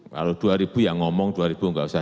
kalau dua ribu ya ngomong dua ribu nggak usah